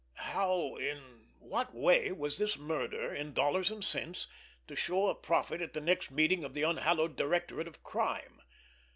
How, in what way, was this murder, in dollars and cents, to show a profit at the next meeting of that unhallowed directorate of crime?